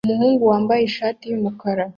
Umuhungu wambaye ishati yumukara